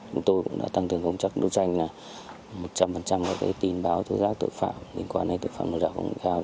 chúng tôi cũng đã tăng thường công tác đối tranh một trăm linh với tình báo tội phạm liên quan đến tội phạm nội đạo công nghệ cao